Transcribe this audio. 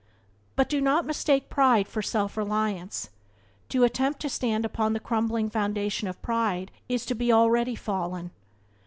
But do not mistake pride for self reliance. To attempt to stand upon the crumbling foundation of pride is to be already fallen.